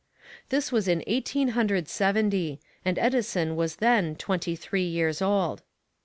This was in Eighteen Hundred Seventy, and Edison was then twenty three years old.